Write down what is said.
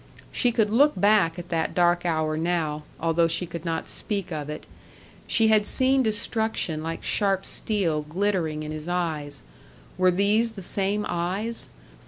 She could look back at that dark hour now, although she could not speak of it. She had seen destruction like sharp steel glittering in his eyes. Were these the same eyes?